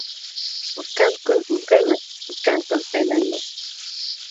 Үткән көн үҙгәрмәҫ, киткән көн әйләнмәҫ.